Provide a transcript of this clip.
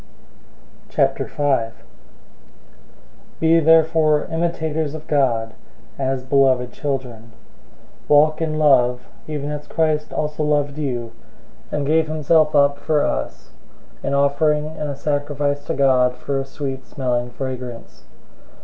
005:001 Be therefore imitators of God, as beloved children. 005:002 Walk in love, even as Christ also loved you, and gave himself up for us, an offering and a sacrifice to God for a sweet smelling fragrance.